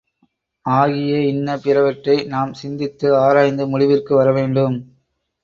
ஆகிய இன்ன பிறவற்றை நாம் சிந்தித்து ஆராய்ந்து முடிவிற்கு வரவேண்டும்.